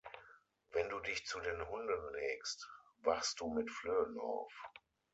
Wenn du dich zu den Hunden legst, wachst du mit Flöhen auf.